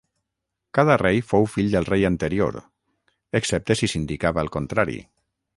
Cada rei fou fill del rei anterior, excepte si s'indicava el contrari.